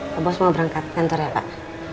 pak bos mau berangkat kantor ya pak